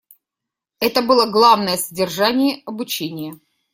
Это было главное содержание обучения.